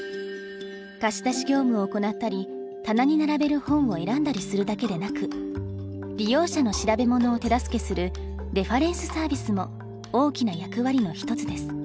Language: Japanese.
貸し出し業務を行ったり棚に並べる本を選んだりするだけでなく利用者の調べ物を手助けする「レファレンスサービス」も大きな役割の一つです。